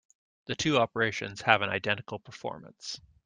The two operations have an identical performance.